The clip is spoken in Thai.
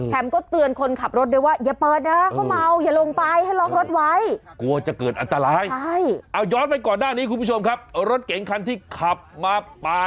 แถมก็เตือนคนขับรถได้ว่าอย่าเปิดนะเขาเมา